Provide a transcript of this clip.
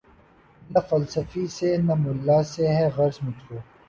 نہ فلسفی سے نہ ملا سے ہے غرض مجھ کو